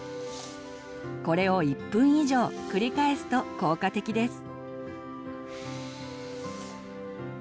これを１分以上繰り返すと効果的です。